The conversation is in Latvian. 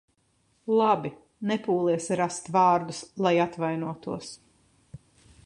Labi, nepūlies rast vārdus, lai atvainotos.